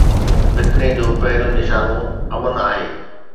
فتني جو پهريون نشانو امن آهي.